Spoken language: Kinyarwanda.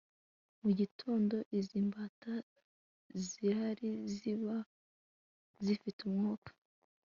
Mu gitondo izi mbata zirari ziba zifite umwuka